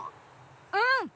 うん！